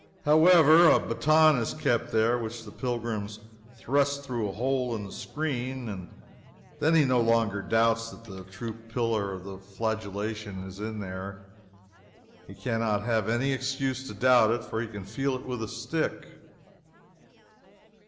However, a baton is kept here, which the pilgrim thrusts through a hole in the screen, and then he no longer doubts that the true Pillar of Flagellation is in there. He can not have any excuse to doubt it, for he can feel it with the stick.